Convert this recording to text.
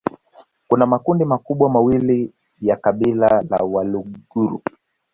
Kuna makundi makubwa mawili ya kabila la Waluguru